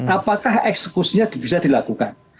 apakah eksekusinya bisa dilakukan